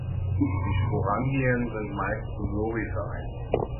Die Sporangien sind meist zu Sori vereint.